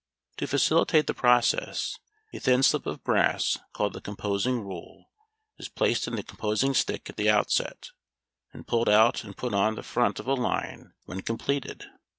To facilitate the process, a thin slip of brass, called the "composing rule," is placed in the composing stick at the outset, and pulled out and put on the front of a line when completed.